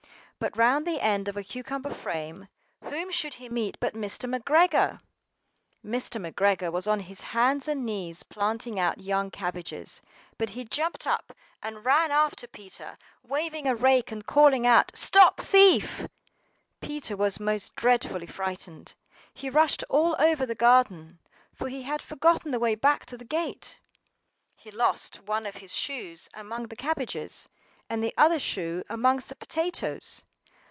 BUT round the end of a cucumber frame, whom should he meet but Mr. McGregor! MR. McGREGOR was on his hands and knees planting out young cabbages, but he jumped up and ran after Peter, waving a rake and calling out, "Stop thief!" PETER was most dreadfully frightened; he rushed all over the garden, for he had forgotten the way back to the gate. He lost one of his shoes among the cabbages, and the other shoe amongst the potatoes.